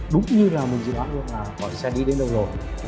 đúng như là mình dự đoán được là xe đi đến đâu rồi